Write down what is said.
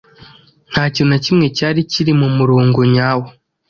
nta kintu na kimwe cyari kiri mu murongo nyawo